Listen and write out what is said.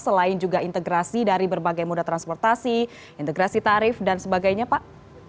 selain juga integrasi dari berbagai moda transportasi integrasi tarif dan sebagainya pak